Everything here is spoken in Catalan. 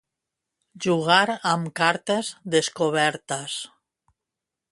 Jugar amb cartes descobertes.